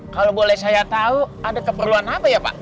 kalau boleh saya tahu ada keperluan apa ya pak